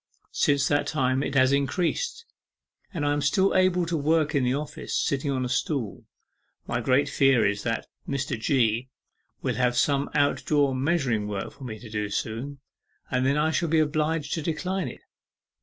Since that time it has increased, but I am still able to work in the office, sitting on the stool. My great fear is that Mr. G. will have some out door measuring work for me to do soon, and that I shall be obliged to decline it.